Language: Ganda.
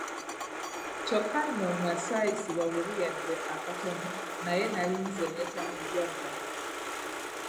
Kyokka nno nga ssaayisibwa bubi yadde akatono naye nali nze nneetamiddwa dda!